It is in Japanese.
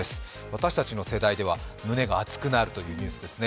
私たちの世代では胸が熱くなるニュースですね。